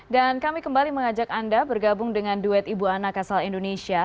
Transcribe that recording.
dan kami kembali mengajak anda bergabung dengan duet ibu ana kasal indonesia